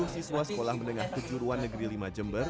sepuluh siswa sekolah menengah kejuruan negeri lima jember